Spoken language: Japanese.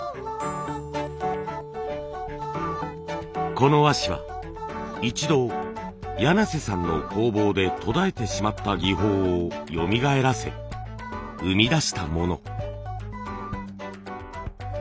この和紙は一度柳瀬さんの工房で途絶えてしまった技法をよみがえらせ生み出したもの。